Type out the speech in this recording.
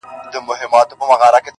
• فکرونه ورو ورو پراخېږي ډېر..